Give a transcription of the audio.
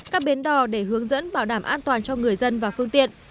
các bến đò để hướng dẫn bảo đảm an toàn cho người dân và phương tiện